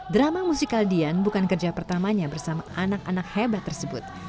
drama musikal dian bukan kerja pertamanya bersama anak anak hebat tersebut